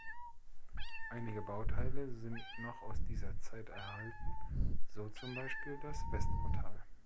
Einige Bauteile sind noch aus dieser Zeit erhalten, so zum Beispiel das Westportal.